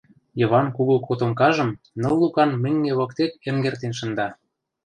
— Йыван кугу котомкажым ныл лукан меҥге воктек эҥертен шында.